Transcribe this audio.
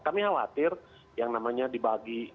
kami khawatir yang namanya dibagi